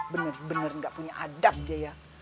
bener bener gak punya adab aja ya